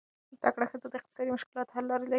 زده کړه ښځه د اقتصادي مشکلاتو حل لارې لري.